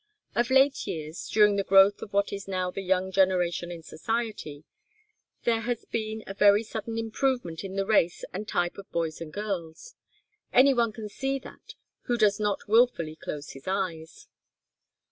Of late years, during the growth of what is now the young generation in society, there has been a very sudden improvement in the race and type of boys and girls. Any one can see that who does not wilfully close his eyes.